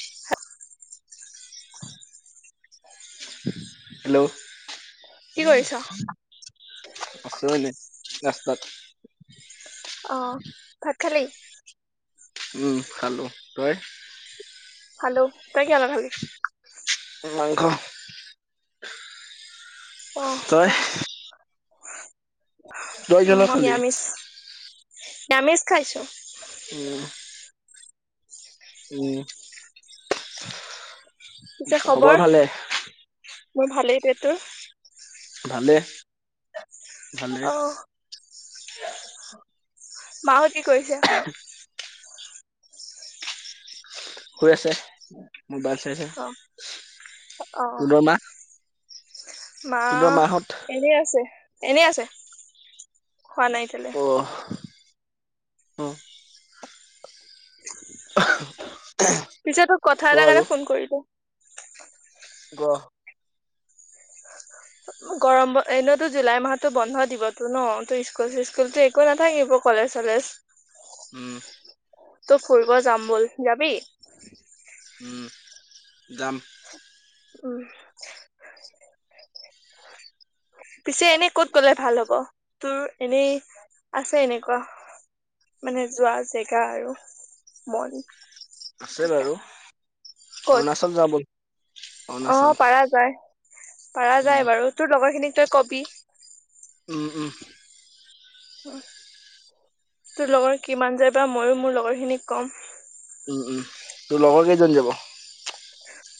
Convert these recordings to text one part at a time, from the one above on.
[inaudible] Hello কি কৰিছ? আছে চাগে ৰাস্তাত অ ভাত খালি উম খালো তই খালো তই কিহৰ লগত খালি মাংস তই অহঁ তই উ কিহৰ লগত মই খালি নিয়ামিষ নিয়ামিষ খাইছোঁ। [unintelligible] ওহ উম খবৰ ভালে মোৰ ভালেই দে তোৰ ভালে ভালে অহঁ মা হতঁ কি কৰিছে। শুই আছে মোৰ বাট চাইছে অহ, অহ, পোনৰমাহ [unintelligible] মা এনেই আছে এনেই আছে খোৱা নাই এতিয়ালে [unintelligible] অহঁ পিছে তোক ক কথা এটাৰ আৰু কাৰণে ফোন কৰিলো ক [inaudible] গৰম ব এনেয়োটো জুলাই মাহতো বন্ধ দিবতো ন ত স্কুল স্কুলতো একো নাথাকিব কলেজ চলেজ [unintelligible] চলেজ উম! তো ফুৰিব জামবল যাবি [unintelligible] উম উম! [unintelligible] পিছে এনে ক'ত গ'লে ভাল হ'ব তোৰ এনেই আছে এনেকুৱা। [inaudible] আছে থাকা বাৰু ক'ত অৰুণাচল যাও বল। অ অৰুণাচল পাৰা যায়, পাৰা উম যায় বাৰু তোৰ লগৰ খিনিক তই কবি। উম! উম! তোৰ লগৰ কিমান যায় বা মইয়ো মোৰ লগৰ খিনিক কম। উম! উম! তোৰ লগৰ কেইজন যাব?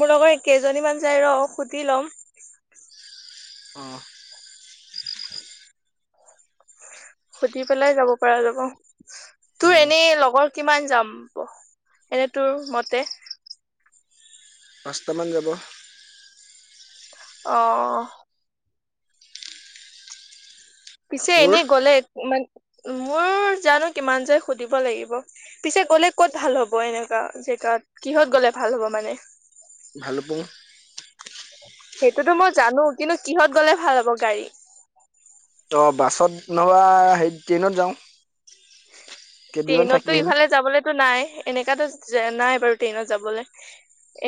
মোৰ লগৰ কেইজনী মান যাই ৰ সুধি লম। অ সুধি পেলাই যাব পৰা যাব, তোৰ উম এনেই লগৰ কিমান যাম। এনে তোৰ মতে পাঁচটামান যাব। অ পিছে তোৰ এনেই গ'লে মান মোৰ জানো কিমান যে সুধিব লাগিব পিছে কলে ক'ত ভাল হ'ব এনেকুৱা কিহত গ'লে ভাল হ'ব মানে। ভালুপুং সেইটোতো মই জানো। কিন্তু কিহত গ'লে ভাল হ'ব গাড়ী। অঁ বাছত নবা হেইৰি ট্ৰেইনত যাওঁ [unintelligible] কেইদিনমান থাকি ট্ৰেইনতটো আহিম ইফালে যাবলেতো নাই এনেকাতো যে নাই বাৰু ট্ৰেইনত যাবলৈ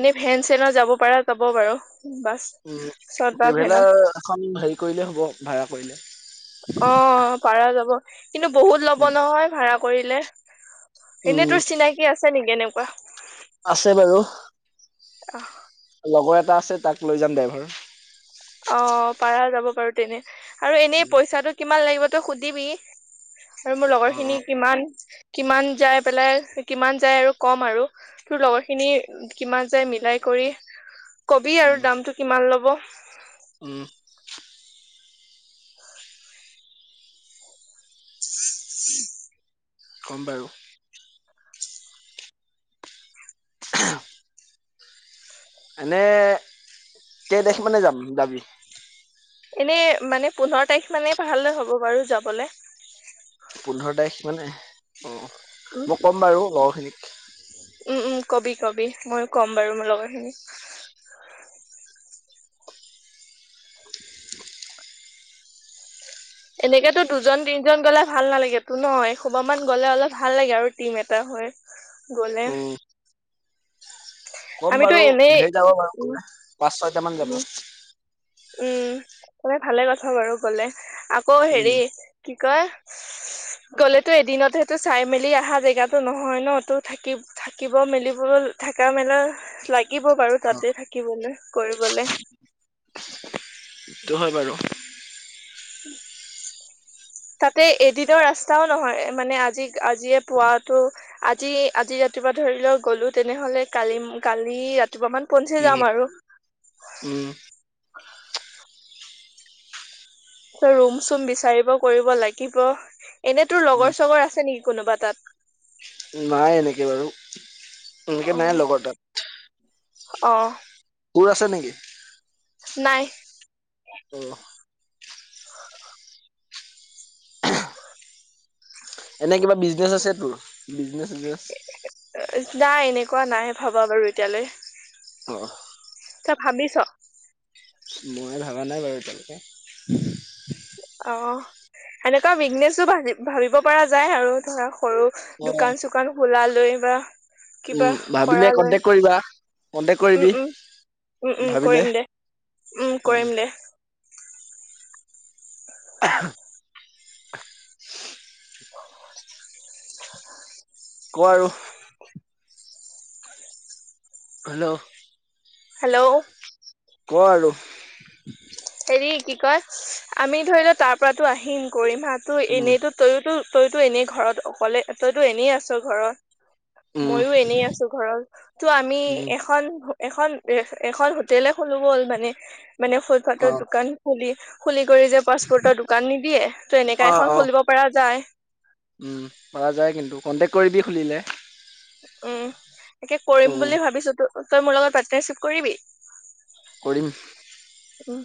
এনে ফেন চেনত যাব পৰা যাব বাৰু। বাছ উ চত বা ভেনত ট্ৰেভেলাৰ এখন হেৰি কৰিলে হ'ব ভাড়া কৰিলে। অ পাৰা যাব কিন্তু বহুত লব উম, নহয় ভাড়া কৰিলে। এনেই উম, তোৰ চিনাকি আছে নেকি এনে? আছে বাৰু অ লগৰ এটা আছে তাক লৈ যাম ড্ৰাইভাৰ। অ পাৰা যাব পাৰো তেনে আৰু এনেই উম, পইচাটো কিমান লাগিব। তই সুধিবি আৰু মোৰ লগৰ অ', খিনি অ', কিমান। কিমান যায় পেলাই কিমান যায় আৰু ক'ম আৰু তোৰ লগৰখিনি কিমান যায় মিলাই কৰি কবি আৰু উম, দামটো কিমান ল'ব। উম! উ কম বাৰু। এনে কেই তাৰিখ মানে যাম যাবি। এনে মানে পোন্ধৰ তাৰিখ মানে ভালে হ'ব বাৰু যাবলে পোন্ধৰ তাৰিখ মানে অ উম, মই ক'ম বাৰু লগৰখিনি। উম, উম, কবি কবি মই কম বাৰু মোৰ লগত খিনি। এনেকেতো দুজন তিনজন গলে ভাল নালাগে তো ন এহোপা মান গ'লে অলপ ভাল লাগে আৰু টিম এটা গ'লে উম, ক'ম আমিতো বাৰু এনেই ধেৰি যাব বাৰু উম, পাঁচ ছয়টা মান যাব। উম, উম সবে ভালে কথা বাৰু কলে আকৌ হেৰি উম, কি। [unintelligible] গ'লেতো এদিনতটো চাই মেলি অহা জেগাতো নহয় ন তো থাকি থাকিব মেলিব থকা মেলা লাগিব বাৰু অ তাতে থাকিবলৈ কৰিবলে সেইটো হয় বাৰু উম। তাতে এদিনৰ ৰাস্তাও নহয় মানে আজি-আজিয়ে পোৱাতো আজি-আজি ৰাতিপুৱা ধৰি লও গ'লো তেনেহ'লে কালি-কালি ৰাতিপুৱা মান পঞ্চি উম যাম আৰু উম [unintelligible] ৰুম চুম বিচাৰিব কৰিব লাগিব এনে তোৰ উম, লগৰ-চগৰ আছে নেকি? কোনোবা তাত নাই এনেকে বাৰু এনেকে নাই লগৰ তাত অঁ কোৰ আছে নেকি? নাই উম। এনে কিবা বিজনেচ আছে তোৰ বিজনেচ-চিজনেছ নাই এনেকুৱা নাই ভবা বাৰু এতিয়ালৈ অঁ ত‌ই ভাবিছ মই ভাবা নাই বাৰু তেনেকে অ সেনেকুৱা বিগনেছো ভবি-ভাবিব পৰা যায় আৰু ধৰক সৰু অ' দোকা-চোকান খোলা লৈ বা কিবা উম, ভাবিলে কৰা লয় কন্টেক কৰিবা, কন্টেক কৰিবি উম-উম উম-উম ভাবিলে। কৰিম দে উম কৰিম দে [unintelligible] [unintelligible] কোৱা আৰু হেল্ল' হেল্ল' ক আৰু হেৰি কি কয় আমি ধৰি লও তাৰ পৰাটো আহিম গৰিমাহটো উম, এনেইতো তইয়োতো তইতো এনেই ঘৰত অকলে তইতো এনেই আছ ঘৰত উম, ময়ও এনেই আছো ঘৰত ত' আমি উম, এখন এখন-এখন হোটলে খুলো গ'ল মানে-মানে ফুটপাতৰ অ', দোকান খুলি-খুলি কৰি যে ফাষ্টফুডৰ দোকান নিদিয়ে ত' এনেকা অ', এখন অ'। খুলিব পৰা যায় উম পৰা যায় কিন্তু কণ্টেক্ট কৰিবি খুলিলে উম তাকে কৰিম উম, বুলি ভাবিছো ত তই মোৰ লগত পাৰ্টনাৰশ্বিপ কৰিবি। কৰিম। উম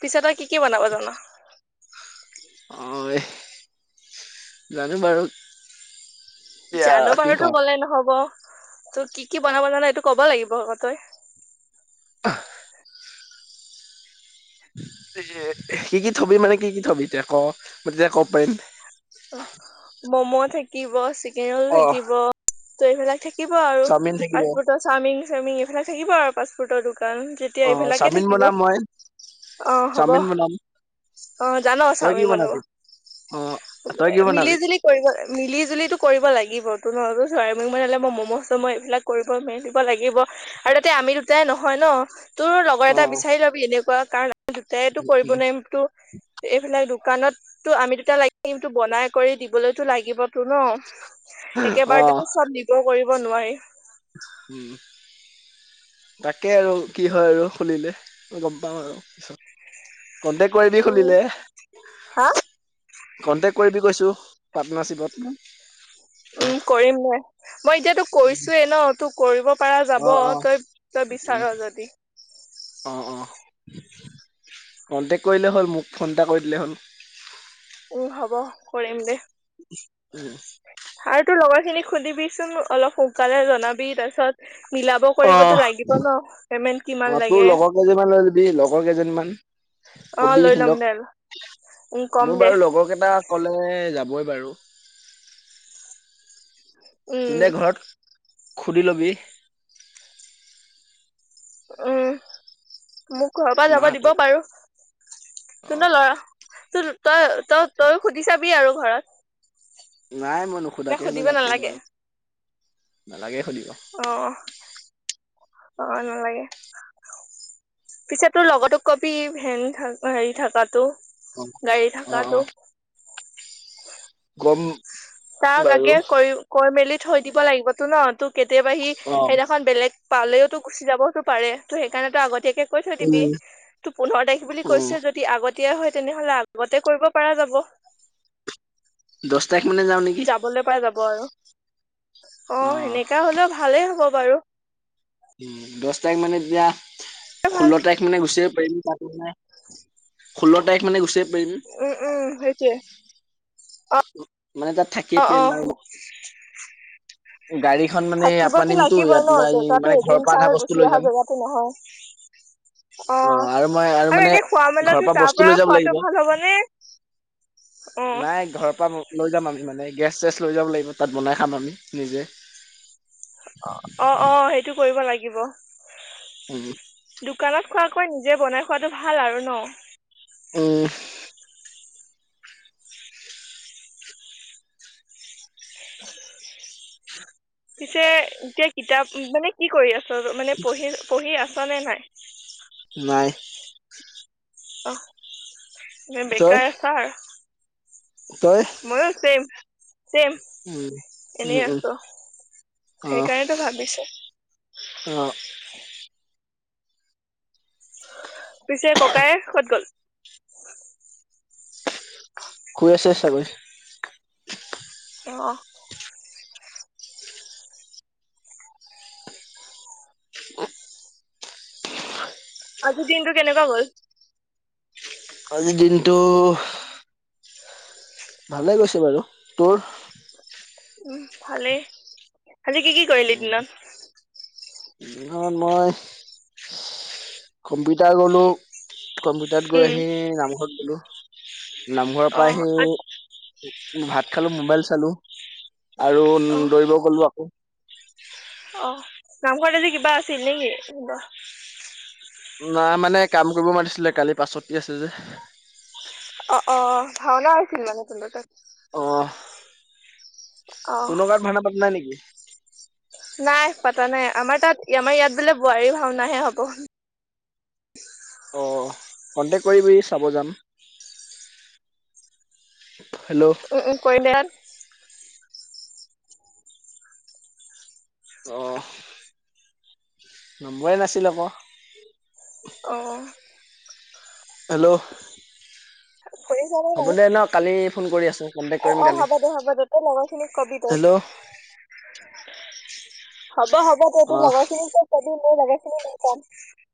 পিছে তই কি কি বনাবা জান? অ' জানো বাৰু। এতিয়া জানো কি বাৰুতো কওঁ। কলে নহব। তো কি কি বনাব জান এইটো ক'ব লাগিব ক তই। অহ। এ কি-কি থবি মানে কি-কি থবি এতিয়া ক মই তেতিয়া ক'ব পাৰিম। মম' থাকিব, চিকেন ৰল অ' থাকিব, ত এইবিলাক থাকিব। থাকিব আৰু চাওমিন থাকিব ফাষ্টফুডৰ চাওমিন-চাওমিং এইফালে থাকিব আৰু ফাষ্টফুডৰ দোকান। কাৰণ যেতিয়া অ' এইবিলাকে চাওমিন থাকিব। বনাম মই অ হ'ব চাওমিন বনাম। অ জান তই কি চাওমিন বনাব? বনাবি? অ' তই কি বনাবি? মিলিজুলি কৰিব মিলিজুলি। সেইটো কৰিব লাগিবতো নহো চ মলে মই ম'ম' চম' এইবিলাক কৰিব মেল দিব লাগিব আৰু। তে আমি দুটাই নহয় ন। তোৰ লগৰ এটা অ' বিচাৰি লবি এনেকুৱা কাৰণ দুটাইটো কৰিব নোৱাৰিম তো এইবিলাক। কণতো আমি দুটা লাগিমটো বনাই কৰি দিবলৈতো লাগিব। তটো ন অ' একেবাৰতেতো চব নিবও কৰিব নোৱাৰি। উম। তাকে আৰু কি হয় আৰু খুলিলে ম গম পাওঁ আৰু পিছত। কন্টেক্ কৰিবিবি উম, খুলিলে। হা? কন্টেক্ট কৰিবি কৈছো পাৰ্টনাৰশ্বিপত। উম, কৰিম দে। মই এতিয়াতো কৰিছোৱোৱেই ন তোৰ কৰিব পৰা যাব অ অ তই তই উম, বিচাৰ যদি। অ অ। কনটেক্ট কৰিলে হ'ল মোক ফোন এটা কৰি দিলে হ'ল। উম হব কৰিম দে উম, আৰু তোৰ লগৰ খিনি। খুন্দিবি চোন অলপ সোনকালে জনাবি তাৰ পিছত। অ কিমান অ তোৰ লাগে লগৰ কেইজনমান লৈ যিবি লগৰ কেইজনমান। অ কবি লৈ ল'ম সিহক দে উম কম মোৰ দে বাৰু লগৰ কেইটা কলে যাবই। যাব বাৰু উম দিলে ঘৰত। খুুলি ল'বি। উম মোক ঘৰৰ পৰা যাব দিব মাহঁতক বাৰু। তোৰ অ ন লৰা তই তই তই তই সুধি চাবি আৰু ঘৰত। নাই মই নে নুখোধাকে হলেও সুধিব যাম বাৰু নালাগে নালাগে। সুধিব অ অ নালাগে। পিছত তোৰ লগতো কবি হেন থ হেৰি থকাতো। অ গাড়ী থাকাতটো। গৰম। তাক আগে কৰি কৰি মেলি থৈ দিব লাগিবতো ন ত কেতিয়াবা সি অ সেইদিনাখন বেলেগ। পালেওতো গুচি যাবতো পাৰে ত' সেইকাৰণেতো আগতীয়াকে। কৈ থৈ দিবি উম তোৰ পোন্ধৰ তাৰিখ বুলি উম কৈছ যদি আগতে। তেতিয়াই হয় তেনেহলে আগতে কৰিব প যাব। দহছ। যাবলৈ পাই যাব আৰু। অ সেনেকা হলেও ভালেই হ'ব বাৰু। উ দহ তাৰিখ মানে এতিয়া ভাল ষোল্ল তাৰিখ মানে গুচিব পাৰিম তাত মানে। [unintelligible] ষো্ল্ল তাৰিখানে গুছি আহিম। উম উম সেইটো অ। মানে তাত থাকিয়ে অহ পাৰিম অহ। আৰু গাড়ীখন মানে ইয়াৰ পৰা থাকিবতো নিমতো লাগিবই ইয়াত ন জেগাতো মানে ঘৰৰ এদিন পৰা আধা চাই বস্তু গুচি লৈ অহা যাম জেগাতটো নহয় [inaudible] অ আৰু মই আৰু মানে এনে খোৱা ঘৰৰ মেলতো তাৰ বস্তু পৰা লৈ যাব লাগিব খোৱাতটো ভাল হ'বনেে নাই ঘৰৰ পৰা ম লৈ যাম আমি মানে গেছ চেছ লৈ যাব লাগিব তাত বনাই খাম আমি নিজে অ অ অ সেইটো কৰিব লাগিব উ দোকানত খোৱাকৈ নিজে বনাই খোৱাটো ভাল আৰু ন আহ [inaudible] পিছে এতিয়া কিতাপ মানে কি কৰি আছ মানে পঢ়ি পঢ়ি আছ নে নাই নাই অ এ তই বেকাৰ আ ছাৰ [unintelligible] তই মইও ছেম চেম উম উম এনেই উম আছো সেইকাৰণেতো ভাবিছে আহ পিছে ককাই ক'ত গ'ল? শুই আছে চাগৈ। অঁ অ আজি দিনটো কেনেকুৱা গ'ল? আজিৰ দিনটো ভালে গৈছে বাৰু। তোৰ? ভালে আজি কি কি কৰিলি দিনত? ত মই কম্পিউটাৰ গলো, কম্পিউটাৰত গৈ উম আহি নামঘৰত গলো। [unintelligible] নামঘৰৰ অ পৰা সি ভাত খালো, মোবাইল চালো। আৰু অ দৌৰিব গ'লো আকৌ অ নামঘৰত আজি কিবা আছিল নেকি? না মানে কাম কৰিব মাতিছিলে কালি পাছতি আছে যে অ অ ভাওনা আছিল মানে কিন্তু তাত অ অ তনৰ গাত ভাউনা পাতা নাই নেকি [unintelligible] নাই পতা নাই আমাৰ তাত আমাৰ ইয়াত বোলে বোৱাৰী ভাওনাহে হ'ব [unintelligible] অ কন্টেক্ট কৰিবি চাব যাম। হেল্ল' উম উম কৰিম দিয়া। আহ নম্বৰে নাছিল আকৌ অ হেল্ল' হয় [unintelligible] হ'ব নাই দে ন কালি ফোন কৰি আছো কন্টেক অ কৰিম অ কালি হ'ব দে হ'ব দে তই লগৰখিনিক কবি দেই। হেল্ল' [inaudible] হ'ব হ'ব ত‌ই তোৰ অ লগৰখিনি কবি মোৰ লগাৰখিনি ন পাম [unintelligible]